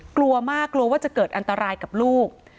กลัวมากกลัวว่าจะเกิดอันตรายกับลูก